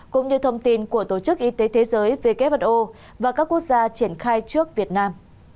cũng như thông tin của tổ chức y tế thế giới who và các quốc gia triển khai trước việt nam